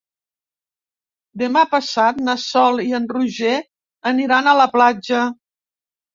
Demà passat na Sol i en Roger aniran a la platja.